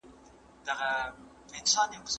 انټرنيټ د زده کړې لپاره تر ټولو ارزانه لاره ده.